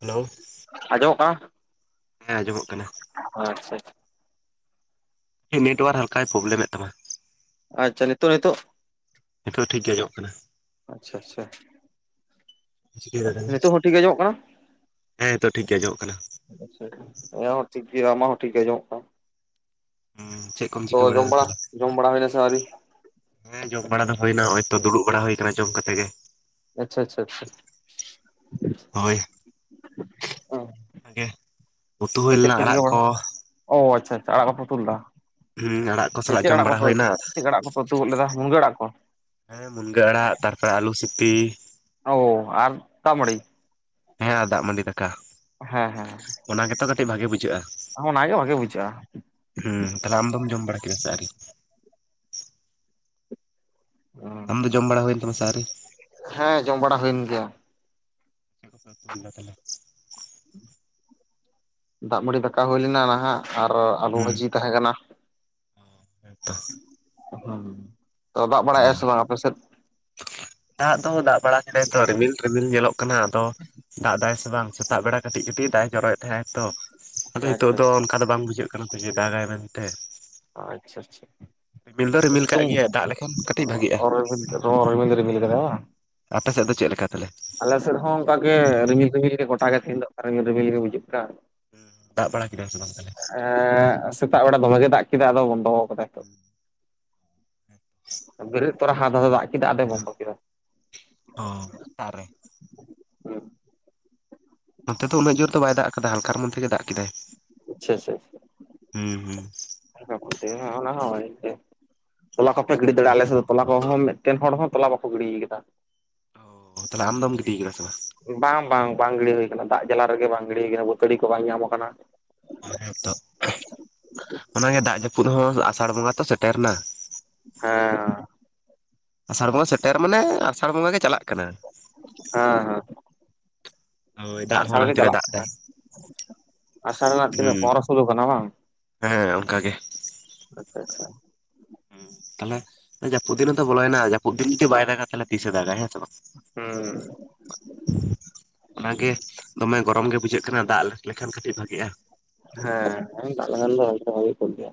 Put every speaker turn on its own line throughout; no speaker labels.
Hello.
ᱟᱸᱡᱚᱢᱚᱜ ᱠᱟᱱᱟ?
ᱦᱮᱸ ᱟᱸᱡᱚᱢᱚᱜ ᱠᱟᱱᱟ᱾
ᱚ ᱟᱪᱪᱷᱟ᱾
ᱱᱮᱴᱣᱟᱨᱠ ᱦᱟᱞᱠᱟᱭ ᱯᱨᱚᱵᱞᱮᱢᱮᱫ ᱛᱟᱢᱟ᱾
ᱟᱪᱪᱷᱟ ᱱᱤᱛᱚᱜ ᱱᱤᱛᱚᱜ
ᱱᱤᱛᱚᱜ ᱴᱷᱤᱠ ᱜᱮ ᱟᱸᱡᱚᱢᱚᱜ ᱠᱟᱱᱟ᱾
ᱟᱪᱪᱷᱟ ᱪᱷᱟ᱾
ᱪᱤᱠᱟᱹᱭ ᱫᱟ ᱛᱟᱦᱞᱮ
ᱱᱤᱛᱚᱜ ᱦᱚᱸ ᱴᱷᱤ ᱜᱮ ᱟᱸᱡᱚᱢᱚᱜ ᱠᱟᱱᱟ?
ᱦᱮᱸ ᱱᱤᱛᱚᱜ ᱴᱷᱤᱠ ᱜᱮ ᱟᱸᱡᱚᱢᱚᱜ ᱠᱟᱱᱟ
ᱟᱪᱪᱷᱟ ᱮᱧᱟᱜ ᱦᱚᱸ ᱴᱷᱤᱠ ᱜᱮᱭᱟ ᱟᱢ ᱦᱚᱸ ᱴᱷᱤᱠ ᱜᱮ ᱟᱸᱡᱚᱢᱚᱜ ᱠᱟᱱᱟ᱾
ᱦᱩᱸ ᱪᱮᱫ ᱠᱚᱢ
ᱛᱚ
ᱪᱤᱠᱟᱹ
ᱡᱚᱢ
ᱵᱟᱲᱟᱭᱮᱫᱟ
ᱵᱟᱲᱟ
ᱛᱟᱦᱞᱮ
ᱡᱚᱢ ᱵᱟᱲᱟ ᱦᱩᱭᱱᱟ ᱥᱮ ᱟᱹᱣᱨᱤ?
ᱦᱮᱸ ᱡᱚᱢ ᱵᱟᱲᱟ ᱫᱚ ᱦᱩᱭᱱᱟ ᱱᱚᱭ ᱛᱚ ᱫᱩᱲᱩᱵ ᱵᱟᱲᱟ ᱦᱩᱭ ᱟᱠᱟᱱᱟ ᱡᱚᱢ ᱠᱟᱛᱮ ᱜᱮ᱾
ᱟᱪᱪᱷᱟ ᱪᱷᱟ ᱪᱷᱟ᱾
ᱦᱚᱭ
ᱛᱚ
ᱚᱱᱟᱜᱮ᱾ ᱩᱛᱩ ᱦᱩᱭ
ᱪᱮᱫ
ᱞᱮᱱᱟ
ᱯᱮ
ᱟᱲᱟᱜ
ᱪᱤᱠᱟᱹ
ᱠᱚ
ᱵᱟᱲᱟᱭ ᱚᱻ ᱟᱪᱪᱷᱟ ᱟᱪᱪᱷᱟ ᱟᱲᱟᱜ ᱠᱚᱯᱮ ᱩᱛᱩ ᱞᱮᱫᱟ᱾
ᱦᱩᱸ ᱟᱲᱟᱜ ᱠᱚ ᱥᱟᱞᱟᱜ
ᱪᱮᱫ
ᱡᱚᱢ
ᱟᱲᱟᱜ
ᱵᱟᱲᱟ
ᱠᱚᱯᱮ
ᱦᱩᱭᱱᱟ
ᱪᱮᱫ ᱟᱲᱟᱜ ᱠᱚᱯᱮ ᱩᱛᱩ ᱜᱚᱫ ᱞᱮᱫᱟ, ᱢᱩᱱᱜᱟᱹ ᱟᱲᱟᱜ ᱠᱚ?
ᱦᱮᱸ ᱢᱩᱱᱜᱟᱹ ᱟᱲᱟᱜ ᱛᱟᱨᱯᱚᱨᱮ ᱟᱞᱩ ᱥᱤᱯᱤ᱾
ᱚ ᱟᱨ ᱫᱟᱜ ᱢᱟᱹᱰᱤ᱾
ᱦᱮᱸ ᱫᱟᱜ ᱢᱟᱹᱰᱤ ᱫᱟᱠᱟ᱾
ᱦᱮᱸ ᱦᱮᱸ᱾
ᱚᱱᱟᱜᱮ ᱛᱚ ᱠᱟᱹᱴᱤᱡ ᱵᱷᱟᱹᱜᱮ ᱵᱩᱡᱷᱟᱹᱜᱼᱟ᱾
ᱚᱱᱟᱜᱮ ᱵᱷᱟᱹᱜᱤ ᱵᱩᱡᱷᱟᱹᱜᱼᱟ᱾
ᱦᱩᱸ ᱛᱟᱦᱞᱮ ᱟᱢ ᱫᱚᱢ ᱡᱚᱢ ᱵᱟᱲᱟ ᱠᱮᱫᱟ ᱥᱮ ᱟᱣᱨᱤ?
ᱚ᱾
ᱟᱢ ᱡᱚᱢ ᱵᱟᱲᱟ ᱦᱩᱭᱮᱱ ᱛᱟᱢᱟ ᱥᱮ ᱟᱣᱨᱤ?
ᱦᱮᱸ ᱡᱚᱢ ᱵᱟᱲᱟ ᱦᱩᱭᱮᱱ ᱜᱮᱭᱟ᱾
[unintelligible]
ᱫᱟᱜ ᱢᱟᱹᱰᱤ ᱫᱟᱠᱟ ᱦᱩᱭ ᱞᱮᱱᱟ ᱱᱟᱦᱟᱜ ᱟᱨ ᱟᱞᱩ
ᱦᱩᱸ
ᱵᱷᱟᱹᱡᱤ ᱛᱟᱦᱮᱸ ᱠᱟᱱᱟ,
ᱦᱮᱸᱛᱚ
ᱦᱩᱸ ᱛᱚ ᱫᱟᱜ ᱵᱟᱲᱟᱭ
ᱚ
ᱥᱮ ᱵᱟᱝᱟ ᱟᱯᱮᱥᱮᱫ?
ᱫᱟᱜ ᱫᱚ ᱫᱟᱜ ᱵᱟᱲᱟ ᱠᱮᱫᱟᱭ ᱛᱚ ᱨᱤᱢᱤᱞ ᱨᱤᱢᱤᱞ ᱧᱮᱞᱚᱜ ᱠᱟᱱᱟ ᱟᱫᱚ ᱫᱟᱜ ᱫᱟᱭ ᱥᱮ ᱵᱟᱝ? ᱥᱮᱛᱟᱜ ᱵᱮᱲᱟ ᱠᱟᱹᱴᱤᱡ ᱠᱟᱹᱴᱤᱡ ᱫᱟᱜ ᱮ ᱡᱚᱨᱚᱭᱮᱫ ᱛᱟᱦᱮᱸᱜ ᱛᱚ᱾ ᱟᱫᱚ ᱱᱤᱛᱚᱜ
ᱟᱪᱪᱷᱟ
ᱫᱚ ᱚᱱᱠᱟ ᱫᱚ ᱵᱟᱝ ᱵᱩᱡᱷᱟᱹᱜ ᱠᱟᱱᱟ ᱛᱚ ᱡᱮ ᱫᱟᱜᱟᱭ ᱢᱮᱱᱛᱮ᱾
ᱟᱪᱪᱷᱟ [unintelligible]
ᱨᱤᱢᱤᱞ ᱫᱚ ᱨᱤᱢᱤᱞ ᱠᱟᱜ
ᱥᱤᱛᱩᱝ
ᱜᱮᱭᱟ ᱫᱟᱜ ᱞᱮᱠᱷᱟᱱ ᱠᱟᱹᱴᱤᱡ ᱵᱷᱟᱹᱜᱤᱜᱼᱟ᱾
[unintelligible] ᱨᱤᱢᱤᱞ ᱫᱚᱭ ᱨᱤᱢᱤᱞ ᱠᱟᱫᱟᱭ ᱵᱟᱝ?
ᱟᱯᱮ ᱥᱮᱫ ᱫᱚ ᱪᱮᱫ ᱞᱮᱠᱟ ᱛᱟᱦᱞᱮ?
ᱟᱞᱮ ᱥᱮᱫ ᱦᱚᱸ ᱚᱱᱠᱟ ᱜᱮ ᱨᱤᱢᱤᱞ ᱨᱤᱢᱤᱞ ᱜᱮ ᱜᱚᱴᱟ ᱜᱮ ᱛᱮᱦᱮᱧ ᱫᱚ ᱚᱱᱠᱟ ᱨᱤᱜᱤᱞ ᱨᱤᱢᱤᱞ ᱜᱮ ᱵᱩᱡᱷᱟᱹᱜ ᱠᱟᱱ᱾
ᱫᱟᱜ ᱵᱟᱲᱟ ᱠᱮᱫᱟ ᱥᱮ ᱵᱟᱝ ᱛᱟᱦᱞᱮ?
ᱮ ᱥᱮᱛᱟᱜ ᱵᱮᱲᱟ ᱫᱚᱢᱮ ᱜᱮ ᱫᱟᱜ ᱠᱮᱫᱟ ᱟᱫᱚ ᱵᱚᱱᱫᱚ ᱟᱠᱟᱫᱟᱭ ᱱᱤᱛᱚᱜ᱾ ᱵᱮᱨᱮᱫ ᱛᱚᱨᱟ ᱦᱟᱫ ᱦᱟᱫ ᱮ ᱫᱟᱜ ᱠᱮᱫᱟ ᱟᱫᱚᱭ ᱵᱚᱱᱫᱚ ᱠᱮᱫᱟ᱾
ᱦᱚᱸ ᱛᱟᱨᱮ
ᱦᱩᱸ
ᱱᱚᱛᱮ ᱫᱚ ᱩᱱᱟᱹᱜ ᱡᱩᱨ ᱫᱚ ᱵᱟᱭ ᱫᱟᱜ ᱟᱠᱟᱫᱟ ᱦᱟᱞᱠᱟᱨ [unintelligible] ᱜᱮ ᱫᱟᱜ ᱠᱮᱫᱟᱭ᱾
ᱟᱪᱪᱷᱟ ᱟᱪᱪᱷᱟ
ᱦᱩᱸ
ᱟᱪᱪᱷᱟ [inaudible] ᱚᱱᱟᱦᱚ ᱛᱚᱞᱟ ᱠᱚᱯᱮ ᱜᱤᱰᱤ
ᱦᱩᱸ
ᱫᱟᱲᱮᱭᱟᱜᱼᱟ ᱟᱞᱮᱥᱮᱫ ᱫᱚ ᱛᱚᱞᱟ ᱠᱚᱦᱚᱸ ᱢᱤᱫᱴᱮᱱ ᱦᱚᱲ ᱦᱚᱸ ᱛᱚᱞᱟ ᱵᱟᱠᱚ ᱜᱤᱰᱤ ᱟᱠᱟᱫᱟ᱾
ᱛᱟᱞᱦᱮ ᱟᱢ ᱫᱚᱢ ᱜᱤᱰᱤ ᱠᱟᱫᱟ ᱥᱮ ᱵᱟᱝ?
ᱵᱟᱝ ᱵᱟᱝ ᱵᱟᱝ ᱜᱤᱲᱤ ᱦᱩᱭ ᱟᱠᱟᱱᱟ ᱫᱟᱜ ᱡᱟᱞᱟ ᱨᱮᱜᱮ ᱵᱟᱝ ᱜᱤᱲᱤ ᱟᱠᱟᱱᱟ ᱵᱟᱹᱛᱟᱹᱲᱤ ᱠᱚ ᱵᱟᱝ ᱧᱟᱢ ᱟᱠᱟᱱᱟ᱾
ᱦᱮᱸᱛᱚ ᱚᱱᱟᱜᱮ ᱫᱟᱜ ᱡᱟᱹᱯᱩᱫ ᱦᱚᱸ ᱟᱥᱟᱲ ᱵᱚᱸᱜᱟ ᱛᱚ ᱥᱮᱴᱮᱨ ᱮᱱᱟ᱾
ᱦᱮᱸ
ᱟᱥᱟᱲ ᱵᱚᱸᱜᱟ ᱥᱮᱴᱮᱨ ᱢᱟᱱᱮ ᱟᱥᱟᱲ ᱵᱚᱸᱜᱟ ᱜᱮ ᱪᱟᱞᱟᱜ ᱠᱟᱱᱟ᱾
ᱦᱮᱸ ᱦᱮᱸ
ᱦᱳᱭ ᱫᱟᱜ ᱦᱚᱸ
ᱟᱥᱟᱲ
ᱚᱱᱟ
ᱜᱮ
ᱠᱷᱟᱹᱛᱤᱨᱮ
ᱪᱟᱞᱟᱜ
ᱫᱟᱜ
ᱠᱟᱱᱟ
ᱫᱟᱭ
ᱟᱥᱟᱲ ᱨᱮᱱᱟᱜ ᱛᱤᱱᱟᱹᱜ
ᱦᱩᱸ
ᱯᱚᱱᱨᱚ ᱥᱳᱞᱳ ᱠᱟᱱᱟ ᱵᱟᱝ
ᱦᱮᱸ ᱚᱱᱠᱟᱜᱮ᱾
ᱟᱪᱷᱟ ᱟᱪᱷᱟ
ᱛᱟᱞᱦᱮ ᱡᱟᱹᱯᱩᱫ ᱫᱤᱱ ᱦᱚᱸ ᱛᱚ ᱵᱚᱞᱚᱭᱮᱱᱟ ᱡᱟᱹᱯᱩᱫ ᱫᱤᱱ ᱡᱩᱫᱤ ᱵᱟᱭ ᱫᱟᱜᱟ ᱛᱟᱞᱦᱮ ᱛᱤᱥᱮ ᱫᱟᱜᱟ ᱦᱮᱸ ᱥᱮ ᱵᱟᱝ
ᱦᱩᱸ
ᱚᱱᱟᱜᱮ ᱫᱚᱢᱮ ᱜᱚᱨᱚᱢ ᱜᱮ ᱵᱩᱡᱷᱟᱹᱜ ᱠᱟᱱᱟ ᱫᱟᱜ ᱞᱮᱠᱷᱟᱱ ᱠᱟᱹᱴᱤᱡ ᱵᱷᱟᱜᱤᱜᱼᱟ
ᱦᱮᱸ ᱦᱮᱸ ᱫᱟᱜ ᱞᱮᱠᱷᱟᱱ ᱫᱚ ᱦᱳᱭ ᱫᱚ ᱦᱳᱭ ᱠᱚᱜ ᱜᱮᱭᱟ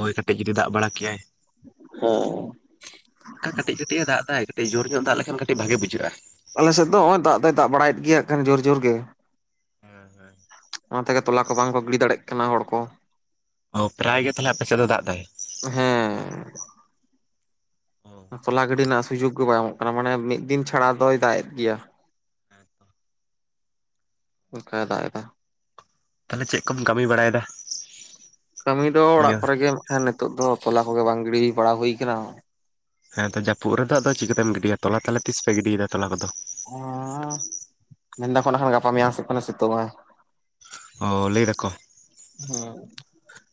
ᱳᱭ ᱠᱟᱹᱴᱤᱡ ᱡᱩᱫᱤ ᱫᱟᱜ ᱵᱟᱲᱟ ᱠᱮᱭᱟᱭ
ᱦᱮᱸ
ᱚᱱᱠᱟ ᱠᱟᱹᱴᱤᱡ ᱠᱟᱹᱴᱤᱡ ᱮ ᱫᱟᱜ ᱫᱟᱭ ᱠᱟᱹᱴᱤᱡ ᱡᱳᱨ ᱧᱚᱜ ᱫᱟᱜ ᱞᱮᱠᱷᱟᱱ ᱠᱟᱹᱴᱤᱡ ᱵᱷᱟᱜᱮ ᱵᱩᱡᱷᱟᱹᱜᱼᱟ
ᱟᱞᱮᱥᱮᱫ ᱫᱚ ᱱᱚᱜᱼᱚᱭ ᱫᱟᱜ ᱫᱚᱭ ᱫᱟᱜ ᱵᱟᱲᱟᱭᱮᱫ ᱜᱮᱭᱟ ᱟᱠᱷᱟᱱ ᱡᱳᱨ ᱡᱳᱨ ᱜᱮ
ᱦᱳᱭ ᱦᱳᱭ
ᱚᱱᱟ ᱛᱮᱜᱮ ᱛᱚᱞᱟ ᱠᱚ ᱵᱟᱝᱠᱚ ᱜᱤᱰᱤ ᱫᱟᱲᱭᱟᱜ ᱠᱟᱱᱟ ᱦᱚᱲ ᱠᱚ
ᱚ ᱯᱨᱟᱭ ᱜᱮ ᱛᱟᱞᱦᱮ ᱟᱯᱮᱥᱮᱫ ᱫᱚ ᱫᱟᱜ ᱫᱟᱭ?
ᱦᱮᱸ
ᱦᱚ
ᱛᱚᱞᱟ ᱜᱤᱰᱤ ᱨᱮᱱᱟᱜ ᱥᱩᱡᱳᱜᱽ ᱜᱮ ᱵᱟᱭ ᱮᱢᱚᱜ ᱠᱟᱱᱟ ᱢᱟᱱᱮ ᱢᱤᱫ ᱫᱤᱱ ᱪᱷᱟᱲᱟ ᱫᱚᱭ ᱫᱟᱜ ᱮᱫ ᱜᱮᱭᱟ ᱦᱮᱸ ᱫᱟᱜ ᱮᱫᱟ
ᱛᱟᱞᱦᱮ ᱪᱮᱫ ᱠᱚᱢ ᱠᱟᱹᱢᱤ ᱵᱟᱲᱟᱭᱮᱫᱟ?
ᱠᱟᱹᱢᱤ ᱫᱚ ᱚᱲᱟᱜ
ᱱᱤᱭᱟᱹ
ᱠᱚᱨᱮ ᱜᱮ ᱟᱠᱷᱟᱱ ᱱᱤᱛᱚᱜ ᱫᱚ ᱛᱚᱞᱟ ᱠᱚᱜᱮ ᱵᱟᱝ ᱜᱤᱰᱤ ᱵᱟᱲᱟ ᱦᱩᱭ ᱟᱠᱟᱱᱟ
ᱦᱮᱸ ᱛᱚ ᱡᱟᱹᱯᱩᱫ ᱨᱮᱫᱚ ᱟᱫᱚ ᱪᱤᱠᱟᱹᱛᱮᱢ ᱜᱤᱰᱤᱭᱟ ᱛᱚᱞᱟ ᱛᱟᱞᱦᱮ ᱛᱤᱥ ᱯᱮ ᱜᱤᱰᱤᱫᱟ ᱛᱚᱞᱟ ᱠᱚᱫᱚ?
ᱚᱻ ᱢᱮᱱᱫᱟᱠᱚ ᱟᱠᱷᱟᱱ ᱜᱟᱯᱟ ᱢᱮᱭᱟᱝ ᱥᱮᱫ ᱠᱷᱚᱱ ᱥᱤᱛᱩᱝ ᱟᱭ
ᱚ ᱞᱟᱹᱭ ᱫᱟᱠᱚ
ᱦᱮᱸ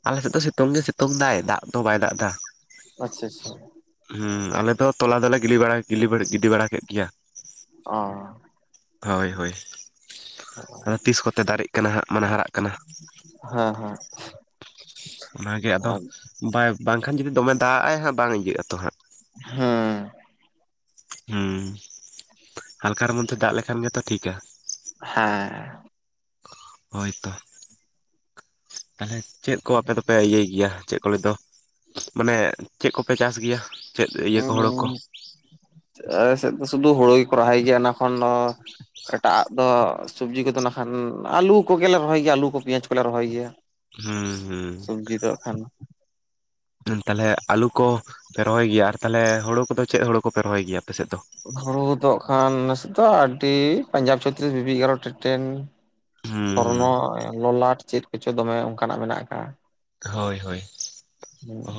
ᱟᱞᱮᱥᱮᱫ ᱫᱚ ᱥᱤᱛᱩᱝ ᱜᱮᱭ ᱥᱤᱛᱩᱝ ᱮ ᱫᱟᱭ ᱫᱟᱜ ᱫᱚ ᱵᱟᱭ ᱫᱟᱜ ᱮᱫᱟ
ᱟᱪᱷᱟ ᱟᱪᱷᱟ
ᱦᱩᱸ ᱟᱞᱮ ᱫᱚ ᱛᱚᱞᱟ ᱫᱚᱞᱮ ᱜᱤᱰᱤ ᱵᱟᱲᱟ ᱜᱤᱰᱤ ᱵᱟᱲᱟ ᱠᱮᱫ ᱜᱮᱭᱟ
ᱚᱻ
ᱦᱳᱭ ᱦᱳᱭ ᱟᱫᱚ ᱛᱤᱥ ᱠᱚᱛᱮ ᱫᱟᱨᱮᱜ ᱠᱟᱱᱟ ᱦᱟᱸᱜ ᱢᱟᱱᱮ ᱦᱟᱨᱟᱜ ᱠᱟᱱᱟ
ᱦᱮᱸ ᱦᱮᱸ
ᱚᱱᱟᱜᱮ ᱟᱫᱚ ᱵᱟᱭ ᱵᱟᱝᱠᱷᱟᱱ ᱡᱩᱫᱤ ᱫᱚᱢᱮ ᱫᱟᱜ ᱟᱭ ᱦᱟᱸᱜ ᱵᱟᱝ ᱤᱭᱟᱹᱜ ᱟᱛᱚ ᱦᱟᱸᱜ
ᱦᱩᱸ
ᱦᱮᱴᱩᱸ ᱦᱟᱞᱠᱟᱨ ᱢᱚᱫᱽᱫᱷᱮ ᱫᱟᱜ ᱞᱮᱠᱷᱟᱱ ᱜᱮᱛᱚ ᱴᱷᱤᱠᱟ
ᱦᱮᱸ
ᱦᱳᱭᱛᱚ ᱛᱟᱞᱦᱮ ᱪᱮᱫ ᱠᱚ ᱟᱯᱮ ᱫᱚᱯᱮ ᱤᱭᱟᱹᱭ ᱜᱮᱭᱟ ᱪᱮᱫ ᱠᱚ ᱞᱟᱹᱜᱤᱫ ᱫᱚ ᱢᱟᱱᱮ ᱪᱮᱫ ᱠᱚᱯᱮ ᱪᱟᱥ ᱜᱮᱭᱟ? ᱪᱮᱫ ᱤᱭᱟᱹ ᱠᱚ ᱦᱳᱲᱳ ᱠᱚ
ᱟᱞᱮ ᱥᱮᱫ ᱫᱚ ᱥᱩᱫᱩ ᱦᱩᱲᱩ ᱠᱚ ᱨᱚᱦᱚᱭ ᱜᱮᱭᱟ ᱚᱱᱟᱠᱷᱚᱱ ᱮᱴᱟᱜ ᱟᱜ ᱫᱚ ᱥᱚᱵᱽᱡᱤ ᱠᱚᱫᱚ ᱱᱟᱠᱷᱟᱱ ᱟᱹᱞᱩ ᱠᱚᱜᱮᱞᱮ ᱨᱚᱦᱚᱭ ᱜᱮᱭᱟ, ᱟᱹᱞᱩ ᱠᱚ ᱯᱮᱸᱭᱟᱡᱽ ᱠᱚᱞᱮ ᱨᱚᱦᱚᱭ ᱜᱮᱭᱟ᱾
ᱦᱩᱸ
ᱥᱚᱵᱽᱡᱤ ᱫᱚ ᱮᱠᱷᱟᱱ
ᱦᱮᱸ ᱛᱟᱦᱞᱮ ᱟᱹᱞᱩ ᱠᱚ ᱯᱮ ᱨᱚᱦᱚᱭ ᱜᱮᱭᱟ ᱟᱨ ᱛᱟᱦᱞᱮ ᱦᱩᱲᱩ ᱠᱚᱫᱚ ᱪᱮᱫ ᱦᱩᱲᱩ ᱠᱚ ᱯᱮ ᱨᱚᱦᱚᱭ ᱜᱮᱭᱟ ᱟᱯᱮᱥᱮᱫ ᱫᱚ?
ᱦᱩᱲᱩ ᱫᱚ ᱠᱷᱟᱱ ᱱᱟᱥᱮ ᱫᱚ ᱟᱹᱰᱤ ᱯᱟᱧᱡᱟᱵᱽ ᱪᱷᱚᱛᱨᱤᱥ ᱵᱤᱵᱤ ᱮᱜᱟᱨᱚ ᱴᱮᱴᱮᱱ ᱥᱚᱨᱱᱚ
ᱦᱩᱸ
ᱞᱚᱞᱟᱴ ᱪᱮᱫ ᱠᱚᱪᱚ ᱫᱚᱢᱮ ᱚᱱᱠᱟᱱᱟᱜ ᱢᱮᱱᱟᱜ ᱟᱠᱟᱜᱼᱟ᱾
ᱦᱳᱭ ᱦᱳᱭ
ᱦᱮᱸ
ᱚ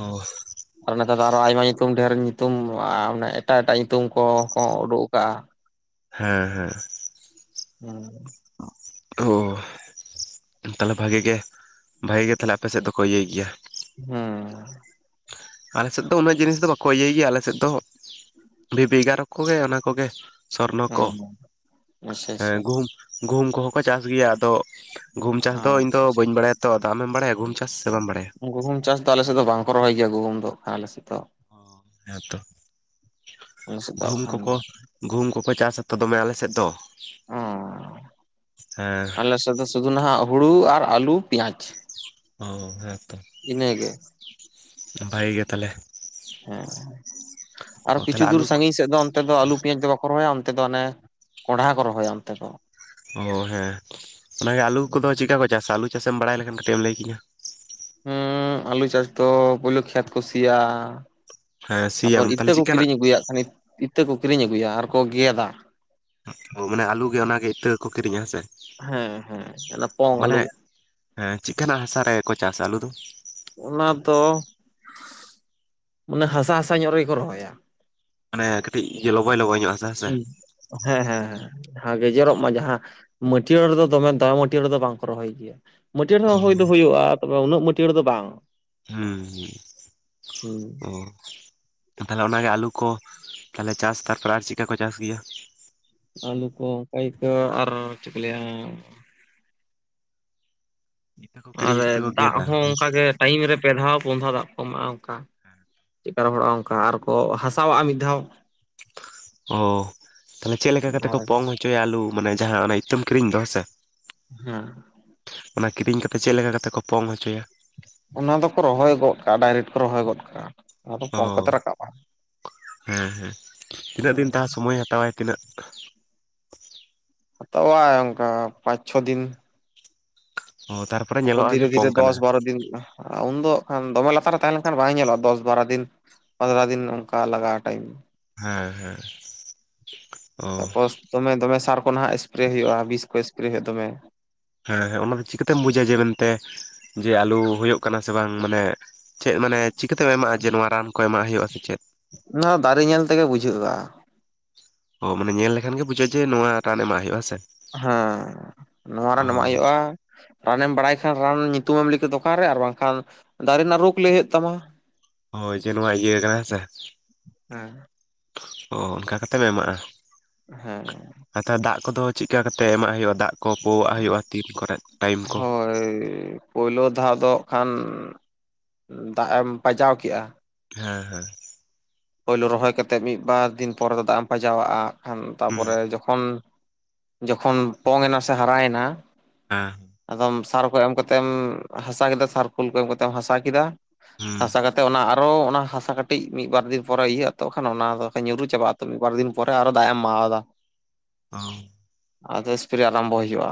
ᱟᱨ ᱱᱮᱛᱟᱨ ᱫᱚ ᱟᱨᱚ ᱟᱭᱢᱟ ᱧᱩᱛᱩᱢ ᱰᱷᱮᱨ ᱧᱩᱛᱩᱢ ᱢᱟᱱᱮ ᱮᱴᱟᱜ ᱮᱴᱟᱜ ᱧᱩᱛᱩᱢ ᱠᱚᱠᱚ ᱩᱰᱩᱠ ᱟᱠᱟᱜᱼᱟ᱾
ᱦᱮᱸ ᱦᱮᱸ
ᱦᱮᱸ
ᱚᱳ ᱛᱟᱞᱦᱮ ᱵᱷᱟᱜᱮ ᱜᱮ ᱵᱷᱟᱜᱮ ᱜᱮ ᱛᱟᱞᱦᱮ ᱟᱯᱮ ᱥᱮᱫ ᱫᱚᱠᱚ ᱤᱭᱟᱹᱭ ᱜᱮᱭᱟ᱾
ᱦᱮᱸ
ᱟᱞᱮ ᱥᱮᱫ ᱫᱚ ᱩᱱᱟᱹᱜ ᱡᱤᱱᱤᱥ ᱫᱚ ᱵᱟᱠᱚ ᱤᱭᱟᱹᱭ ᱜᱮᱭᱟ, ᱟᱞᱮ ᱥᱮᱫ ᱫᱚ ᱵᱷᱤᱵᱤ ᱜᱟᱨᱚ ᱠᱚᱜᱮ ᱚᱱᱟ ᱠᱚᱜᱮ ᱥᱚᱨᱱᱚ ᱠᱚ
ᱦᱩᱸ ᱟᱪᱪᱷᱟ
ᱦᱮᱸ
ᱟᱪᱪᱷᱟ
ᱜᱩᱦᱩᱢ ᱜᱩᱦᱩᱢ ᱠᱚᱦᱚᱸ ᱠᱚ ᱪᱟᱥ ᱜᱮᱭᱟ ᱟᱫᱚ ᱜᱩᱦᱩᱢ ᱪᱟᱥ ᱫᱚ ᱤᱧ
ᱟᱪᱪᱷᱟ
ᱫᱚ
ᱟᱪᱪᱷᱟ
ᱵᱟᱹᱧ ᱵᱟᱲᱟᱭᱟ ᱛᱚ ᱟᱢᱮᱢ ᱵᱟᱲᱟᱭᱟ ᱜᱩᱦᱩᱢ ᱪᱟᱥ ᱥᱮ ᱵᱟᱢ ᱵᱟᱲᱟᱭᱟ?
ᱜᱩᱦᱩᱢ ᱪᱟᱥ ᱫᱚ ᱟᱞᱮ ᱥᱮᱫ ᱫᱚ ᱵᱟᱝ ᱠᱚ ᱨᱚᱦᱚᱭ ᱜᱮᱭᱟ, ᱜᱩᱦᱩᱢ ᱫᱚ ᱠᱷᱟᱱ ᱟᱞᱮ ᱥᱮᱫ ᱫᱚ᱾
ᱦᱮᱸᱛᱚ
ᱟᱞᱮ ᱥᱮᱫ ᱫᱚ
ᱜᱩᱦᱩᱢ
ᱠᱷᱟᱱ
ᱠᱚᱠᱚ ᱜᱩᱦᱩᱢ ᱠᱚ ᱠᱚ ᱪᱟᱥᱟ ᱛᱚ ᱫᱚᱢᱮ ᱟᱞᱮ ᱥᱮᱫ ᱫᱚ᱾
ᱚ
ᱦᱮᱸ
ᱟᱞᱮ ᱥᱮᱫ ᱫᱚ ᱥᱩᱫᱩ ᱱᱟᱦᱟᱸᱜ ᱦᱩᱲᱩ ᱟᱨ ᱟᱹᱞᱩ ᱯᱮᱸᱭᱟᱡᱽ
ᱚ ᱦᱮᱸᱛᱚ᱾
ᱤᱱᱟ ᱜᱮ᱾
ᱵᱷᱟᱜᱮ ᱜᱮ ᱛᱟᱦᱞᱮ
ᱦᱮᱸ
ᱚ
ᱟᱨᱦᱚᱸ ᱠᱤᱪᱷᱩ
ᱛᱟᱦᱚᱞᱮ
ᱫᱩᱨ
ᱟᱹᱞᱩ
ᱥᱟᱺᱜᱤᱧ ᱥᱮᱫ ᱫᱚ ᱚᱱᱛᱮ ᱫᱚ ᱟᱹᱞᱩ ᱯᱮᱸᱭᱟᱡᱽ ᱫᱚ ᱵᱟᱠᱚ ᱨᱚᱦᱚᱭᱟ, ᱚᱱᱛᱮ ᱫᱚ ᱚᱱᱮ ᱠᱚᱸᱰᱷᱟ ᱠᱚ ᱨᱚᱦᱚᱭᱟ ᱚᱱᱛᱮ ᱫᱚ᱾
ᱚ ᱦᱮᱸ ᱚᱱᱟᱜᱮ ᱟᱹᱞᱩ ᱠᱚᱫᱚ ᱪᱤᱫᱠᱟ ᱠᱚ ᱪᱟᱥᱟ ᱟᱹᱞᱩ ᱪᱟᱥᱮᱢ ᱵᱟᱲᱟᱭ ᱞᱮᱠᱷᱟᱱ ᱠᱟᱹᱴᱤᱡ ᱮᱢ ᱞᱟᱹᱭ ᱠᱤᱧᱟᱹ᱾
ᱦᱩᱸ ᱟᱞᱩ ᱪᱟᱥ ᱫᱚ ᱯᱳᱭᱞᱳ ᱠᱷᱮᱛ ᱠᱚ ᱥᱤᱭᱟ᱾
ᱦᱮᱸ
ᱛᱟᱯᱚᱨ
ᱥᱤᱭᱟᱢ
ᱤᱛᱟᱹ
ᱛᱟᱦᱚᱞᱮ
ᱠᱚ
ᱪᱮᱫᱠᱟᱱᱟᱜ
ᱠᱤᱨᱤᱧ ᱟᱹᱜᱩᱭᱟ ᱠᱷᱟᱱ ᱤᱛᱟᱹ ᱠᱚ ᱠᱤᱨᱤᱧ ᱟᱹᱜᱩᱭᱟ ᱟᱨᱠᱚ ᱜᱮᱫᱟ᱾
ᱚ ᱢᱟᱱᱮ ᱟᱹᱞᱩ ᱜᱮ ᱚᱱᱟᱜᱮ ᱤᱛᱟᱹ ᱠᱚᱠᱚ ᱠᱤᱨᱤᱧᱟ ᱦᱮᱸ ᱥᱮ
ᱦᱮᱸ ᱦᱮᱸ ᱚᱱᱟ ᱯᱚᱝ
ᱢᱟᱱᱮ
ᱟᱹᱞᱩ᱾
ᱦᱮᱸ ᱪᱮᱫ ᱞᱮᱠᱟᱱᱟᱜ ᱦᱟᱥᱟ ᱨᱮᱠᱚ ᱪᱟᱥᱟ ᱟᱹᱞᱩ ᱫᱚ?
ᱚᱱᱟ ᱫᱚ ᱢᱟᱱᱮ ᱦᱟᱥᱟ ᱦᱟᱥᱟ ᱧᱚᱜ ᱨᱮᱜᱮᱠᱚ ᱨᱚᱦᱚᱭ-ᱟ᱾
ᱢᱟᱱᱮ ᱠᱟᱹᱴᱤᱡ ᱤᱭᱟ. ᱞᱚᱵᱚᱭ ᱞᱚᱜᱚᱭ ᱧᱚᱜ ᱦᱟᱥ
ᱦᱮᱸ ᱦᱮᱸ ᱦᱮᱸ ᱦᱮᱸ ᱜᱮᱡᱮᱨᱚᱜ ᱢᱟ ᱡᱟᱦᱟᱸ ᱢᱟᱹᱴᱭᱟᱹᱲ ᱨᱮᱫᱚ ᱫᱚᱢᱮ ᱫᱟ ᱢᱟᱹᱴᱭᱟᱹᱲ ᱨᱮᱫᱚ ᱵᱟᱝᱠᱚ ᱨᱚᱦᱚᱭ ᱜᱮᱭᱟ᱾ ᱢᱟᱹᱴᱭᱟᱹᱲ
ᱚ
ᱦᱚᱸ ᱦᱩᱭ ᱫᱚ ᱦᱩᱭᱩᱜ-ᱟ ᱛᱮ ᱩᱱᱟᱹᱜ ᱢᱟᱹᱴᱭᱟᱹᱲ ᱫᱚ ᱵᱟᱝ᱾
ᱦᱮᱸ
ᱦᱩᱸ
ᱦᱮᱸ ᱚ ᱛᱟᱦᱚᱞᱮ ᱚᱱᱟᱜᱮ ᱟᱹᱞᱩ ᱠᱚ ᱛᱟᱦᱚᱞᱮ ᱪᱟᱥ ᱛᱟᱨᱯᱚᱨᱮ ᱟᱨ ᱪᱤᱫᱠᱟ ᱠᱚ ᱪᱟᱥ ᱜᱮᱭᱟ?
ᱟᱹᱞᱩ ᱠᱚ ᱚᱱᱠᱟ ᱠᱚ ᱟᱨ ᱪᱮᱫ ᱠᱚ ᱞᱟᱹᱭᱟ᱾
ᱤᱛᱟᱹ ᱠᱚ
ᱟᱨ
ᱠᱤᱨᱤᱧ ᱠᱟᱛᱮ ᱠᱚ
ᱫᱟᱜ
ᱜᱮᱫᱟ
ᱦᱚᱸ
ᱦᱮᱸ ᱥᱮ?
ᱚᱱᱠᱟᱜᱮ ᱴᱟᱭᱤᱢ ᱨᱮ ᱯᱮ ᱫᱷᱟᱣ ᱯᱳᱱ ᱫᱷᱟᱣ ᱫᱟᱜ ᱠᱚ ᱮᱢᱟᱜ-ᱟ ᱚᱱᱠᱟ᱾ ᱪᱮᱫᱠᱟ ᱨᱚᱦᱚᱲᱚᱜᱼᱟ ᱚᱱᱠᱟ ᱟᱨᱠᱚ ᱦᱟᱥᱟᱣᱟᱜᱼᱟ ᱢᱤᱫ ᱫᱷᱟᱣ᱾
ᱚ ᱛᱟᱦᱚᱞᱮ ᱪᱮᱫ ᱞᱮᱠᱟ ᱠᱟᱛᱮ ᱠᱚ ᱯᱚᱝ ᱪᱚᱭᱟ ᱟᱹᱞᱩ ᱢᱟᱱᱮ ᱡᱟᱦᱟᱸ ᱚᱱᱟ ᱤᱛᱟᱹᱢ ᱠᱤᱨᱤᱧ ᱫᱚ ᱦᱮᱸ ᱥᱮ
ᱦᱮᱸ,
ᱚᱱᱟ ᱠᱤᱨᱤᱧ ᱠᱟᱛᱮ ᱪᱮᱜ ᱞᱮᱠᱟ ᱠᱟᱛᱮᱜ ᱠᱚ ᱯᱚᱝ ᱦᱚᱪᱚᱭᱟ?
ᱚᱱᱟ ᱫᱚᱠᱚ ᱨᱚᱦᱚᱭ ᱜᱚᱜ ᱠᱟᱜᱼᱟ, ᱰᱟᱭᱨᱮᱴ ᱠᱚ ᱨᱚᱦᱚᱭ ᱜᱚᱫ ᱠᱟᱜᱼᱟ᱾ ᱟᱫᱚ
ᱚ
ᱯᱚᱝ ᱠᱟᱛᱮ ᱨᱟᱠᱟᱵᱼᱟ
ᱦᱮᱸ-ᱦᱮᱸ, ᱛᱤᱱᱟᱹᱜ ᱫᱤᱱ ᱛᱟ ᱥᱚᱢᱚᱭᱮ ᱦᱟᱛᱟᱣᱟᱭ? ᱛᱤᱱᱟᱹᱜ?
ᱦᱟᱛᱟᱣᱟᱭ ᱚᱝᱠᱟ, ᱯᱟᱸᱪᱪᱷᱚ ᱫᱤᱱ᱾
ᱚ ᱛᱟᱨ
ᱛᱟᱯᱚᱨ ᱫᱷᱤᱨᱮ-ᱫᱷᱤᱨᱮ ᱫᱚᱥ ᱵᱟᱨᱚ ᱫᱤᱱᱼᱟᱦ᱾ ᱟ ᱩᱱᱫᱚ ᱟᱜ ᱠᱷᱟᱱ ᱫᱚᱢᱮ ᱞᱟᱛᱟᱨ ᱨᱮ ᱛᱟᱦᱮᱸ ᱞᱮᱝᱠᱷᱟᱱ ᱵᱟᱸ ᱧᱮᱞᱚᱜᱼᱟ, ᱫᱚᱥ ᱵᱟᱨᱟ ᱫᱤᱱ᱾ ᱯᱟᱸᱫᱽᱨᱟ ᱫᱤᱱ ᱚᱝᱠᱟ ᱞᱟᱜᱟᱜᱼᱟ ᱴᱟᱭᱤᱢ᱾
ᱦᱮᱸ, ᱦᱮᱸ! ᱚ
ᱛᱟᱯᱚᱥ ᱫᱚᱢᱮ-ᱫᱚᱢᱮ ᱥᱟᱨ ᱠᱚ ᱱᱟᱦᱟᱜ ᱮᱥᱯᱨᱮ ᱦᱩᱭᱩᱜᱼᱟ, ᱵᱤᱥ ᱠᱚ ᱮᱥᱯᱨᱮ ᱦᱩᱭᱩᱜᱼᱟ ᱫᱚᱢᱮ᱾
ᱦᱮᱸ, ᱦᱮᱸ, ᱚᱱᱟ ᱫᱚ ᱪᱤᱠᱟ. ᱛᱮᱹᱢ ᱵᱩᱡᱟ ᱡᱮ ᱢᱮᱱᱛᱮ, ᱡᱮ ᱟᱞᱩ ᱦᱩᱭᱩᱜ ᱠᱟᱱᱟ ᱥᱮ ᱵᱟᱝ ᱢᱟᱱᱮ ᱪᱮᱜ ᱢᱟᱱᱮ ᱪᱤᱠᱟᱹ ᱛᱮᱢ ᱮᱢᱟᱜᱼᱟ, ᱡᱮ ᱱᱚᱣᱟ ᱨᱟᱱ ᱠᱚ ᱮᱢᱟᱜ ᱦᱩᱭᱩᱜᱼᱟ ᱥᱮ ᱪᱮᱫ?
ᱱᱟ ᱫᱟᱨᱮ ᱧᱮᱞ ᱛᱮᱜᱮ ᱵᱩᱡᱷᱟᱹᱜᱼᱟ᱾
ᱚ ᱢᱟᱱᱮ ᱧᱮᱞ ᱞᱮᱠᱷᱟᱱ ᱜᱮ ᱵᱩᱡᱟᱹᱜ ᱡᱮ ᱱᱚᱣᱟ ᱨᱟᱱ ᱮᱢᱟᱜ ᱦᱩᱭᱩᱜ-ᱟ, ᱥᱮ!
ᱦᱮᱸ, ᱱᱚᱣᱟ ᱨᱟᱱ
ᱚ
ᱮᱢᱟᱜ ᱭᱩᱜᱼᱟ᱾ ᱨᱟᱱᱮᱢ ᱵᱟᱲᱟᱭ ᱠᱷᱟᱱ, ᱨᱟᱱ ᱧᱩᱛᱩᱢᱮᱢ ᱞᱟᱹᱭ ᱠᱮ ᱫᱚᱠᱟᱱ ᱨᱮ ᱟᱨ ᱵᱟᱝᱠᱷᱟᱱ ᱫᱟᱨᱮ ᱱᱟᱜ ᱨᱳᱜᱽ ᱞᱟᱹᱭ ᱦᱩᱭᱩᱜ ᱛᱟᱢᱟ᱾
ᱦᱳᱭ ᱡᱮ ᱱᱚᱣᱟ ᱤᱭᱟᱹ ᱠᱟᱱᱟ, ᱦᱮᱸ ᱥᱮ
ᱦᱮᱸ
ᱚ ᱚᱱᱠᱟ ᱠᱟᱛᱮᱢ ᱮᱢᱟᱜᱼᱟ᱾
ᱦᱮᱸ᱾
ᱟ‌ ᱛᱟ ᱫᱟᱜ ᱠᱚᱫᱚ ᱪᱤᱜᱠᱟ ᱠᱟᱛᱮᱜ ᱮᱢᱟᱜ ᱦᱩᱭᱩᱜᱼᱟ, ᱫᱟᱜ ᱠᱚ ᱯᱩᱣᱟᱜ ᱦᱩᱭᱩᱜᱼᱟ, ᱛᱤᱱ ᱠᱚᱨᱮ?
ᱦᱳᱭ᱾ ᱯᱩᱭᱞᱳ ᱫᱷᱟᱣ ᱫᱚ ᱟᱸᱜ ᱠᱷᱟᱱ ᱫᱟᱜ ᱮᱢ ᱯᱟᱡᱟᱣ ᱠᱮᱜᱼᱟ,
ᱦᱮᱸ, ᱦᱮᱸ᱾
ᱯᱳᱭᱞᱳ ᱨᱚᱦᱚᱭ ᱠᱟᱛᱮᱜ ᱢᱤᱫ ᱵᱟᱨ ᱫᱤᱱ ᱯᱚᱨᱮ ᱫᱚ ᱫᱟᱜ ᱮᱢ ᱯᱟᱡᱟᱣᱟᱜᱼᱟ, ᱟᱜ ᱠᱷᱟᱱ
ᱦᱩᱸ
ᱛᱟᱯᱚᱨᱮ ᱡᱚᱠ- -ᱠᱷᱚᱱ, ᱡᱚᱠᱷᱚᱱ ᱯᱚᱝᱮᱱᱟ ᱥᱮ ᱦᱟᱨᱟᱭᱮᱱᱟ,
ᱮᱸ,
ᱟᱫᱚᱢ ᱥᱟᱨ ᱠᱚ ᱮᱢ ᱠᱟᱛᱮᱢ ᱦᱟᱥᱟ ᱠᱮᱫᱟ, ᱥᱟᱨ ᱠᱩᱞ ᱠᱚ ᱮᱢ ᱠᱟᱛᱮᱢ ᱦᱟᱥᱟ ᱠᱮᱫᱟ᱾
ᱦᱩᱸ
ᱦᱟᱥᱟ ᱠᱟᱛᱮᱜ ᱚᱱᱟ, ᱟᱨᱚ ᱚᱱᱟ ᱦᱟᱥᱟ ᱠᱟᱹᱴᱤᱡ ᱢᱤᱜ ᱵᱟᱨ ᱫᱤᱱ ᱯᱚᱨᱮ ᱤᱭᱟᱹᱜ ᱟ ᱛᱚ, ᱠᱷᱟᱱ ᱚᱱᱟ ᱫᱚᱥᱮ ᱧᱩᱨᱩ ᱪᱟᱵᱟᱜᱼᱟ, ᱛᱚ ᱢᱤᱜ ᱵᱟᱨ ᱫᱤᱱ ᱯᱚᱨᱮ ᱟᱨᱚ ᱫᱟ ᱮᱢ ᱢᱟᱣᱫᱟ᱾
ᱟᱹᱣ,
ᱟᱫᱚ ᱮᱥᱯᱨᱮ ᱟᱨᱟᱢᱵᱚ ᱦᱩᱭᱩᱜᱼᱟ᱾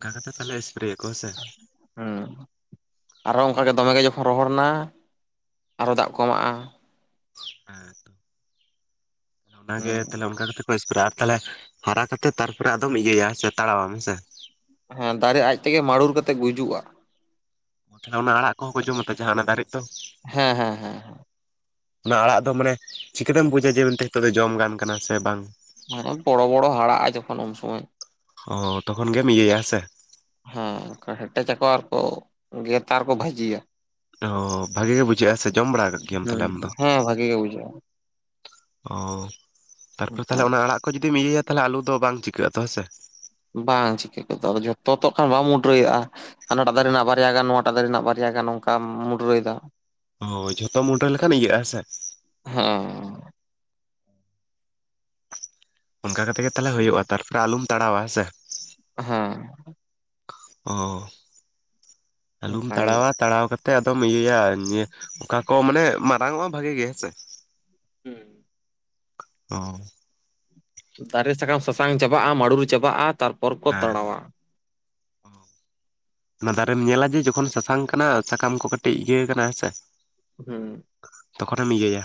ᱠᱟ ᱠᱟᱛᱮ ᱛᱟᱞᱮ ᱮᱥᱯᱨᱮ ᱭᱟᱠᱚ ᱦᱮ ᱥᱮ!
ᱦᱩᱸ᱾ ᱟᱨᱚ ᱚᱝᱠᱟᱜᱮ ᱫᱚᱢᱮ ᱜᱮ ᱡᱚᱠᱷᱚᱱ ᱨᱚᱦᱚᱲ ᱱᱟ, ᱟᱨᱚ ᱫᱟᱜ ᱠᱚ ᱮᱢᱟᱜᱼᱟ᱾
ᱦᱮᱸ, ᱛᱚ, ᱛᱟᱞᱮ ᱚᱱᱟᱜᱮ,
ᱦᱩᱸ
ᱛᱟᱞᱮ ᱚᱱᱠᱟ ᱠᱟᱛᱮᱫ ᱯᱩᱭᱤᱥᱯᱨᱮ ᱟᱨ ᱛᱟᱞᱮ ᱦᱟᱨᱟ ᱠᱟᱛᱮᱫ, ᱛᱟᱨᱯᱚᱨᱮ ᱟᱫᱚᱢ ᱤᱭᱟᱹᱭᱟ ᱦᱮ ᱥᱮ, ᱛᱟᱲᱟᱣᱟᱢ, ᱦᱮ ᱥᱮ!
ᱦᱮᱸ, ᱫᱟᱨᱮ ᱟᱡ ᱛᱮᱜᱮ ᱢᱟᱹᱲᱩᱨ ᱠᱟᱛᱮᱜ ᱜᱩᱡᱩᱜᱼᱟ᱾
ᱛᱷᱟᱞᱮ ᱚᱱᱟ ᱟᱲᱟᱜ ᱠᱚᱦᱚᱸ ᱠᱚ ᱡᱚᱢᱟᱛᱚ, ᱡᱟᱦᱟᱸ ᱚᱱᱟ ᱫᱟᱨᱮᱜ ᱫᱚ?
ᱦᱮᱸ, ᱦᱮᱸ, ᱦᱮᱸ᱾
ᱚᱱᱟ ᱟᱲᱟᱜ ᱫᱚ ᱢᱟᱱᱮ, ᱪᱤᱠᱟᱹᱛᱮᱢ ᱵᱩᱡᱟ, ᱡᱮ ᱢᱮᱱᱛᱮ ᱛᱳᱜ ᱫᱚ ᱡᱚᱢ ᱜᱟᱱ ᱠᱟᱱᱟ ᱥᱮ ᱵᱟᱝ?
ᱦᱮᱸ, ᱵᱚᱲᱚ-ᱵᱚᱲᱚ ᱦᱟᱲᱟᱜᱼᱟ, ᱡᱚᱠᱷᱚᱱ ᱩᱱ ᱥᱚᱢᱚᱭ᱾
ᱚ, ᱛᱚᱠᱷᱚᱱ ᱜᱮᱢ ᱤᱭᱟᱹᱭᱟ ᱦᱮ ᱥᱮ!
ᱦᱮᱸ, ᱠᱟ ᱦᱮᱴᱮᱪᱟᱠᱚ, ᱟᱨᱠᱚ ᱜᱮᱛᱟᱨᱠᱚ ᱵᱷᱟᱡᱤᱭᱟ᱾
ᱚ ᱵᱷᱟᱜᱤ ᱜᱮ ᱵᱩᱡᱷᱟᱹᱜ-ᱟ ᱥᱮ ᱡᱚᱢ ᱵᱟᱲᱟ ᱠᱟᱫ ᱜᱮᱭᱟᱢ ᱛᱟᱞᱦᱮ ᱟᱢ ᱫᱚ?
ᱵᱷᱟᱜᱮ ᱜᱮ ᱵᱩᱡᱷᱟᱜ-ᱟ᱾
ᱚᱻ ᱛᱟᱨᱯᱚᱨ ᱛᱟᱦᱞᱮ
ᱵᱩᱡᱷᱟᱹᱜᱼᱟ
ᱚᱱᱟ ᱟᱲᱟᱜ ᱠᱚ ᱡᱩᱫᱤᱢ ᱤᱭᱟᱹᱭᱟ ᱛᱟᱦᱞᱮ ᱟᱞᱩ ᱫᱚ ᱵᱟᱝ ᱪᱤᱠᱟᱹᱜ-ᱟ ᱛᱚ ᱦᱮᱸ ᱥᱮ?
ᱵᱟᱝ ᱪᱤᱠᱟᱹ ᱜᱚᱫᱚᱜ-ᱟ, ᱟᱫᱚ ᱡᱷᱚᱛᱛᱚ ᱛᱚ ᱠᱷᱟᱱ ᱵᱟᱢ ᱢᱩᱰᱨᱟᱹᱭᱟᱜ-ᱟ, ᱦᱟᱱᱟ ᱴᱟᱜ ᱫᱟᱨᱮ ᱨᱮᱱᱟᱜ ᱵᱟᱨ ᱵᱟᱨᱭᱟ ᱜᱟᱱ ᱱᱚᱣᱟ ᱴᱟ ᱫᱟᱨᱮ ᱨᱮᱱᱟᱜ ᱵᱟᱨᱭᱟ ᱜᱟᱱ ᱚᱱᱠᱟ ᱢᱩᱰᱨᱟᱹᱭᱫᱟ᱾
ᱦᱳᱭ, ᱡᱷᱚᱛᱚ ᱢᱩᱰᱨᱟᱹ ᱞᱮᱠᱷᱟᱱ ᱤᱭᱟᱹᱜ ᱦᱮᱸ ᱥᱮ᱾
ᱦᱩᱸ᱾
ᱚᱱᱠᱟ ᱠᱟᱛᱮᱜ ᱜᱮ ᱛᱟᱞᱦᱮ ᱦᱩᱭᱩᱜ-ᱟ ᱛᱟᱨᱯᱚᱨᱮ ᱟᱞᱩᱢ ᱛᱟᱲᱟᱣᱟ ᱦᱮᱸ ᱥᱮ᱾
ᱦᱮᱸ᱾
ᱚ, ᱟᱞᱩᱢ
ᱚᱱᱠᱟᱭ
ᱛᱟᱲᱟᱣᱟ᱾ ᱛᱟᱲᱟᱣ ᱠᱟᱛᱮᱫ ᱟᱫᱚᱢ ᱤᱭᱟᱹᱭᱟ ᱧᱮ ᱚᱠᱟ ᱠᱚ ᱢᱟᱱᱮ ᱢᱟᱨᱟᱝᱚᱜ-ᱟ ᱵᱷᱟᱜᱤ ᱜᱮ ᱦᱮᱸ ᱥᱮ᱾
ᱦᱩᱸ᱾
ᱚ᱾
ᱫᱟᱨᱮ ᱥᱟᱠᱟᱢ ᱥᱟᱥᱟᱝ ᱪᱟᱵᱟᱜ-ᱟ, ᱢᱟᱹᱨᱩᱲ ᱪᱟᱵᱟᱜ-ᱟ ᱛᱟᱨᱯᱚᱨ ᱠᱚ
ᱦᱮᱸ
ᱛᱟᱲᱟᱣᱟ᱾
ᱚᱱᱟ ᱫᱟᱨᱮᱢ ᱧᱮᱞᱟ ᱡᱮ ᱡᱚᱠᱷᱚᱱ ᱥᱟᱥᱟᱝ ᱠᱟᱱᱟ, ᱥᱟᱠᱟᱢ ᱠᱚ ᱠᱟᱹᱴᱤᱡ ᱤᱭᱟᱹ ᱠᱟᱱᱟ ᱦᱮᱸ ᱥᱮ᱾
ᱦᱩᱸ᱾
ᱡᱚᱠᱷᱚᱱᱮᱢ ᱤᱭᱟᱹᱭᱟ᱾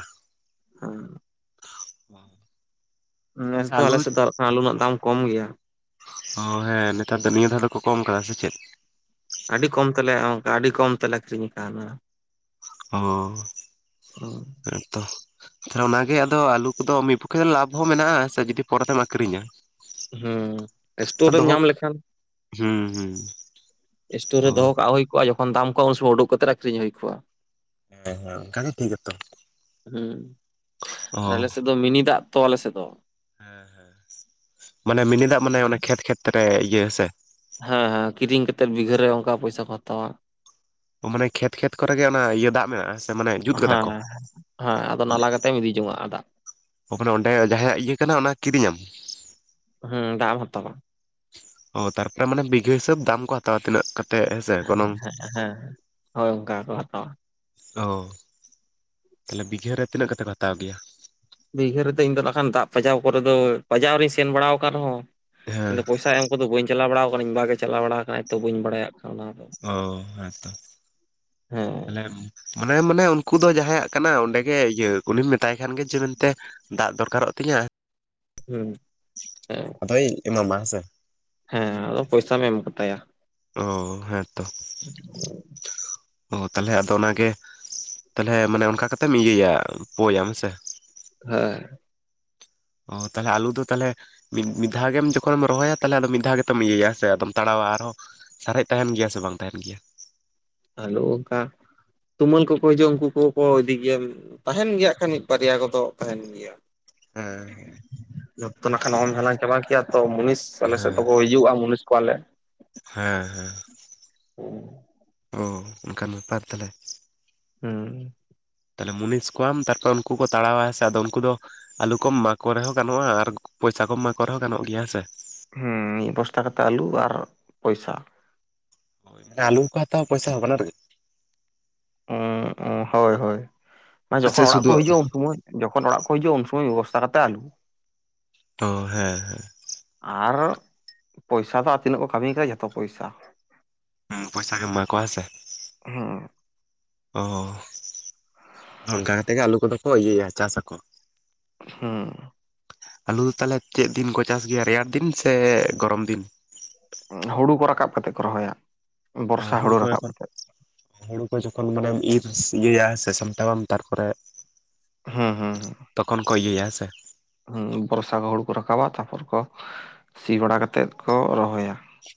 ᱦᱩᱸ᱾
[unintelligible]
ᱱᱮᱥ ᱫᱚ
ᱟᱞᱩ
ᱟᱞᱮ ᱥᱮᱫ ᱫᱚ ᱟᱞᱩ ᱨᱮᱱᱟᱜ ᱫᱟᱢ ᱠᱚᱢ ᱜᱮᱭᱟ᱾
ᱚ ᱦᱮᱸ, ᱱᱮᱛᱟᱨ ᱫᱚ ᱱᱤᱭᱟᱹ ᱫᱷᱟᱣ ᱫᱚ ᱠᱚ ᱠᱚᱢ ᱠᱟᱫᱟ ᱥᱮ ᱪᱮᱫ?
ᱟᱹᱰᱤ ᱠᱚᱢ ᱛᱮᱞᱮ ᱚᱱᱠᱟ, ᱟᱹᱰᱤ ᱠᱚᱢ ᱛᱮᱞᱮ ᱟᱹᱠᱷᱨᱤᱧ ᱠᱟᱣᱱᱟ᱾
ᱚ, ᱦᱮᱸᱛᱚ᱾ ᱛᱟᱦᱞᱮ ᱚᱱᱟ ᱜᱮ ᱟᱫᱚ ᱟᱞᱩ ᱠᱚᱫᱚ ᱢᱤᱫ ᱯᱚᱠᱠᱷᱮ ᱫᱚ ᱞᱟᱵᱽ ᱦᱚᱸ ᱢᱮᱱᱟᱜ-ᱟ ᱥᱮ ᱡᱩᱫᱤ ᱯᱚᱨᱮ ᱛᱮᱢ ᱟᱠᱷᱨᱤᱧᱟ᱾
ᱦᱩᱸ, ᱥᱴᱳᱨ ᱨᱮᱢ
ᱫᱚᱦᱚ
ᱧᱟᱢ ᱞᱮᱠᱷᱟᱱ᱾
ᱦᱩᱸ ᱦᱩᱸ᱾
ᱥᱴᱳᱨ ᱨᱮ
ᱦᱳᱭ
ᱫᱚᱦᱚ ᱠᱟᱜ ᱦᱩᱭ ᱠᱚᱜ-ᱟ ᱡᱚᱠᱷᱚᱱ ᱫᱟᱢ ᱠᱚᱜ-ᱟ ᱩᱱ ᱥᱚᱢᱚᱭ ᱩᱰᱩᱠ ᱠᱟᱛᱮᱫ ᱟᱠᱷᱨᱤᱧ ᱦᱩᱭ ᱠᱚᱜ-ᱟ᱾
ᱦᱮᱸ ᱦᱮᱸ ᱚᱱᱠᱟ ᱜᱮ ᱴᱷᱤᱠ ᱟᱛᱚ
ᱦᱩᱸ,
ᱚ
ᱟᱨ ᱟᱞᱮ ᱥᱮᱫ ᱫᱚ ᱢᱤᱱᱤ ᱫᱟᱜ ᱛᱚ ᱟᱞᱮ ᱥᱮᱫ ᱫᱚ᱾
ᱢᱟᱱᱮ ᱢᱤᱱᱤ ᱫᱟᱜ ᱢᱟᱱᱮ ᱚᱱᱮ ᱠᱷᱮᱛ ᱠᱷᱮᱛ ᱨᱮ ᱤᱭᱟᱹ ᱦᱮᱸ ᱥᱮ?
ᱦᱮᱸ ᱦᱮᱸ ᱠᱤᱨᱤᱧ ᱠᱟᱛᱮᱫ ᱵᱤᱜᱷᱟᱹ ᱨᱮ ᱚᱝᱠᱟ ᱯᱚᱭᱥᱟ ᱠᱚ ᱦᱟᱛᱟᱣᱟ᱾
ᱢᱟᱱᱮ ᱠᱷᱮᱛ ᱠᱷᱮᱛ ᱠᱚᱨᱮ ᱜᱮ ᱚᱱᱟ ᱤᱭᱟᱹ ᱫᱟᱜ ᱢᱮᱱᱟᱜ-ᱟ?
ᱦᱮᱸ ᱦᱮᱸ ᱦᱮᱸ, ᱦᱮᱸ ᱟᱫᱚ ᱱᱟᱞᱟ ᱠᱟᱛᱮᱜ ᱮᱢ ᱤᱫᱤ ᱡᱚᱝᱟᱜ-ᱟ ᱫᱟᱜ᱾
ᱟᱨ ᱛᱟᱞᱦᱮ ᱚᱸᱰᱮ ᱡᱟᱦᱟᱸᱭᱟᱜ ᱤᱭᱟᱹ ᱠᱟᱱᱟ ᱚᱱᱟ ᱠᱤᱨᱤᱧᱟᱢ?
ᱦᱩᱸ, ᱫᱟᱜ-ᱮᱢ ᱦᱟᱛᱟᱣᱟᱢ᱾
ᱚ, ᱛᱟᱨᱯᱚᱨᱮ ᱢᱟᱱᱮ ᱵᱤᱜᱷᱟᱹ ᱦᱤᱥᱟᱹᱵᱽ ᱫᱟᱢ ᱠᱚ ᱦᱟᱛᱟᱣᱟ ᱛᱤᱱᱟᱹᱜ ᱠᱟ
ᱦᱮᱸ ᱦᱮᱸ ᱦᱮᱸ, ᱦᱳᱭ ᱚᱝᱠᱟ ᱜᱮᱠᱚ ᱦᱟᱛᱟᱣᱟ᱾
ᱚ᱾ ᱛᱟᱞᱦᱮ ᱵᱤᱜᱷᱟᱹ ᱨᱮ ᱛᱤᱱᱟᱹᱜ ᱠᱟᱛᱮᱜ ᱠᱚ ᱦᱟᱛᱟᱣ ᱜᱮᱭᱟ?
ᱵᱤᱜᱷᱟᱹ ᱨᱮᱫᱚ ᱤᱧ ᱫᱚ ᱱᱟᱜ ᱠᱷᱟᱱ ᱫᱟᱜ ᱯᱟᱡᱟᱣ ᱠᱚᱨᱮ ᱫᱚ, ᱯᱟᱡᱟᱣ ᱨᱤᱧ ᱥᱮᱱ ᱵᱟᱲᱟᱣ ᱠᱟᱱ ᱨᱮᱦᱚᱸ
ᱦᱮᱸ
ᱢᱟᱱᱮ ᱯᱚᱭᱥᱟ ᱮᱢ ᱠᱚᱫᱚ ᱵᱟᱹᱧ ᱪᱟᱞᱟᱣ ᱵᱟᱲᱟᱣ ᱠᱟᱱᱟᱹᱧ, ᱤᱧ ᱵᱟ ᱜᱮ ᱪᱟᱞᱟᱣ ᱵᱟᱲᱟ ᱠᱟᱱᱟᱭ ᱛᱚ ᱵᱟᱹᱧ ᱵᱟᱲᱟᱭᱟ᱾
ᱚ, ᱦᱮᱸᱛᱚ
ᱦᱮᱸ
ᱢᱟᱱᱮ ᱢᱟᱱᱮ ᱢᱟᱱᱮ ᱩᱱᱠᱩ ᱫᱚ ᱡᱟᱦᱟᱸᱭᱟᱜ ᱠᱟᱱᱟ ᱚᱸᱰᱮᱜᱮ ᱤᱭᱟᱹ ᱩᱱᱤᱢ ᱢᱮᱛᱟᱭ ᱠᱷᱟᱱ ᱜᱮ ᱡᱮ ᱢᱮᱱᱛᱮ ᱫᱟᱜ ᱫᱚᱨᱠᱟᱨᱚᱜ ᱛᱤᱧᱟᱹ᱾
ᱦᱩᱸ, ᱦᱮᱸ᱾
ᱛᱚᱭ ᱮᱢᱟᱢᱟ ᱦᱮᱸᱥᱮ,
ᱦᱮᱸ ᱦᱮᱸ ᱟᱫᱚ ᱯᱚᱭᱥᱟᱢ ᱮᱢ ᱠᱟᱛᱟᱭᱟ᱾
ᱚ ᱦᱮᱸ ᱛᱚ,
[inaudible]
ᱚ ᱛᱟᱦᱞᱮ ᱟᱫᱚ ᱚᱱᱟᱜᱮ, ᱛᱟᱦᱚᱞᱮ ᱢᱟᱱᱮ ᱚᱱᱠᱟ ᱠᱟᱛᱮᱢ ᱤᱭᱟᱹᱭᱟ ᱯᱳᱭᱟᱢ ᱦᱮᱸᱥᱮ,
ᱦᱮᱸ᱾
ᱚ ᱛᱟᱦᱚᱞᱮ ᱟᱞᱩ ᱫᱚ ᱛᱟᱦᱚᱞᱮ, ᱢᱤᱫ ᱢᱤᱫ ᱫᱷᱟᱣ ᱜᱮᱢ ᱡᱚᱠᱷᱚᱱᱮᱢ ᱨᱚᱦᱚᱭᱟ ᱛᱟᱦᱚᱞᱮ ᱟᱫᱚ ᱢᱤᱫ ᱫᱷᱟᱣ ᱜᱮᱛᱚᱢ ᱤᱭᱟᱹᱭᱟ ᱦᱮᱸᱥᱮ ᱟᱫᱚᱢ ᱛᱟᱲᱟᱣᱟ ᱟᱨᱦᱚᱸ, ᱥᱟᱨᱮᱜ ᱛᱟᱦᱮᱱ ᱜᱮᱭᱟ ᱥᱮ ᱵᱟᱝ ᱛᱟᱦᱮᱱ ᱜᱮᱭᱟ?
ᱟᱞᱳ ᱚᱱᱠᱟ, ᱛᱩᱢᱟᱹᱞ ᱠᱚᱠᱚ ᱦᱤᱡᱩᱜᱼᱟ ᱩᱝᱠᱩ ᱠᱚᱠᱚ ᱤᱫᱤ ᱜᱮᱭᱟ ᱛᱟᱦᱮᱱ ᱜᱮᱭᱟ ᱦᱟᱸᱜ ᱠᱷᱟᱱ ᱢᱤᱫ ᱵᱟᱨᱭᱟ ᱠᱚᱫᱚ ᱛᱟᱦᱮᱱ ᱜᱮᱭᱟ᱾
ᱦᱮᱸ
ᱡᱚᱛᱛᱚ ᱱᱟᱠᱷᱟᱱ ᱚᱦᱚᱢ ᱦᱟᱞᱟᱝ ᱪᱟᱵᱟ ᱠᱮᱭᱟ ᱛᱚ ᱢᱩᱱᱤᱥ, ᱥᱟᱞᱮᱥᱮᱫ
ᱦᱮᱸ ᱦᱮᱸ
ᱛᱮᱠᱚ ᱦᱤᱡᱩᱜᱼᱟ ᱢᱩᱱᱤᱥ ᱠᱚᱣᱟᱞᱮ,
ᱦᱮᱸ ᱦᱮᱸ,
[inaudible]
ᱚ ᱚᱱᱠᱟᱱ ᱵᱮᱯᱟᱨ ᱛᱟᱦᱚᱞᱮ᱾
ᱦᱩᱸ,
ᱛᱟᱦᱚᱞᱮ ᱢᱩᱱᱤᱥ ᱠᱚᱣᱟᱢ ᱛᱟᱨᱯᱚᱨᱮ ᱩᱱᱠᱩ ᱠᱚ ᱛᱟᱲᱟᱣᱟ ᱦᱮᱸᱥᱮ ᱟᱫᱚ ᱩᱱᱠᱩ ᱫᱚ, ᱟᱞᱩ ᱠᱚᱢ ᱮᱢᱟ ᱠᱚ ᱨᱮᱦᱚᱸ ᱜᱟᱱᱚᱜᱼᱟ ᱟᱨ ᱯᱚᱭᱥᱟ ᱠᱚᱢ ᱮᱢᱟ ᱠᱚ ᱨᱮᱦᱚᱸ ᱜᱟᱱᱚᱜ ᱜᱮᱭᱟ ᱦᱮᱸ ᱥᱮ᱾
ᱦᱮᱸ ᱢᱤᱜ ᱵᱚᱥᱛᱟ ᱠᱟᱛᱮᱜ ᱟᱞᱩ ᱟᱨ ᱯᱚᱭᱥᱟ᱾
ᱦᱮᱸ ᱟᱞᱩ ᱠᱚ ᱦᱟᱛᱟᱣᱟ ᱯᱚᱭᱥᱟ ᱦᱚᱸ ᱵᱟᱱᱟᱨ ᱜᱮ,
ᱩᱸ ᱩ ᱦᱳᱭ ᱦᱳᱭ ᱢᱟᱱᱮ ᱡᱚᱠᱷᱚᱱ
ᱥᱮ
ᱚᱲᱟᱜ ᱠᱚ
ᱥᱩᱫᱩ
ᱦᱤᱡᱩᱜᱼᱟ ᱩᱱ ᱥᱚᱢᱚᱭ, ᱡᱚᱠᱷᱚᱱ ᱚᱲᱟᱜ ᱠᱚ ᱦᱤᱡᱩᱜᱼᱟ ᱩᱱ ᱥᱚᱢᱚᱭ ᱢᱤᱜ ᱵᱚᱥᱛᱟ ᱠᱟᱛᱮᱜ ᱟᱞᱩ,
ᱛᱚ ᱦᱮᱸ ᱦᱮᱸ᱾
ᱟᱨ ᱯᱚᱭᱥᱟ ᱫᱚ ᱟᱨ ᱛᱤᱱᱟᱹᱜ ᱠᱚ ᱠᱟᱹᱢᱤ ᱠᱟᱫᱟ ᱡᱷᱚᱛᱚ ᱯᱚᱭᱥᱟ᱾
ᱦᱩᱸ ᱯᱚᱭᱥᱟ ᱜᱮᱢ ᱮᱢᱟᱠᱚᱣᱟ ᱦᱮᱸᱥᱮ᱾
ᱦᱩᱸ
ᱚ ᱚᱱᱠᱟ ᱠᱟᱛᱮ ᱜᱮ ᱟᱞᱩ ᱠᱚᱫᱚ ᱠᱚ ᱤᱭᱟᱹᱭᱟ ᱪᱟᱥ ᱟᱠᱚ,
ᱦᱩᱸ,
ᱟᱞᱩ ᱫᱚ ᱛᱟᱦᱚᱞᱮ ᱪᱮᱜ ᱫᱤᱱ ᱠᱚ ᱪᱟᱥ ᱜᱮᱭᱟ ᱨᱮᱭᱟᱲ ᱫᱤᱱ ᱥᱮ ᱜᱚᱨᱚᱢ ᱫᱤᱱ?
ᱩᱸ ᱦᱩᱲᱩ ᱠᱚ ᱨᱟᱠᱟᱵ ᱠᱟᱛᱮᱜ ᱠᱚ ᱨᱚᱦᱚᱭᱟ᱾
ᱚ
ᱵᱚᱨᱥᱟ
ᱦᱩᱲᱩ ᱠᱚ
ᱨᱟᱠᱟᱵ
ᱮᱠᱷᱚᱱ,
ᱠᱟᱛᱮᱜ
ᱦᱩᱲᱩ ᱠᱚ ᱡᱚᱠᱷᱚᱱ ᱢᱟᱱᱮᱢ ᱤᱨ ᱤᱭᱟᱹᱭᱟ ᱥᱮ ᱥᱟᱢᱴᱟᱣᱟᱢ ᱛᱟᱨᱯᱚᱨᱮ,
ᱦᱮᱸ ᱦᱮᱸ ᱦᱮᱸ᱾
ᱛᱚᱠᱷᱚᱱ ᱠᱚ ᱤᱭᱟᱹᱭᱟ ᱦᱮᱸ ᱥᱮ᱾
ᱦᱩᱸ ᱵᱚᱨᱥᱟ ᱠᱚ ᱦᱩᱲᱩ ᱠᱚ ᱨᱟᱠᱟᱵᱟ ᱛᱟᱯᱚᱨ ᱠᱚ ᱥᱤ ᱵᱟᱲᱟ ᱠᱟᱛᱮᱜ ᱠᱚ ᱨᱚᱦᱚᱭᱟ᱾